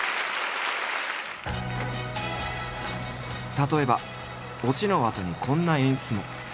例えばオチのあとにこんな演出も。